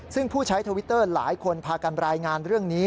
ซึ่งผู้ใช้ทวิตเตอร์หลายคนพากันรายงานเรื่องนี้